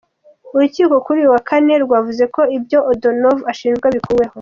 Urukiko kuri uyu wa Kane rwavuze ko ibyo O’Donovan ashinjwa bikuweho.